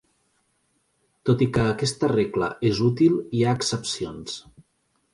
Tot i que aquesta regla és útil hi ha excepcions.